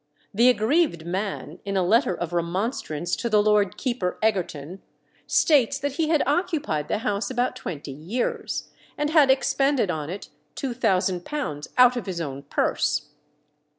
The aggrieved man, in a letter of remonstrance to the Lord Keeper Egerton, states that he had occupied the house about twenty years, and had expended on it £2000 out of his own purse.